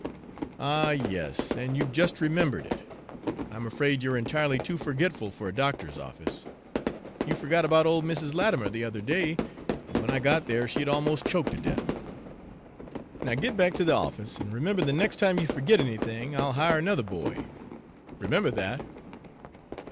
"Ah, yes, and you've just remembered it! I'm afraid you're entirely too forgetful for a doctor's office. You forgot about old Mrs. Latimer, the other day, and when I got there she had almost choked to death. Now get back to the office, and remember, the next time you forget anything, I'll hire another boy; remember that!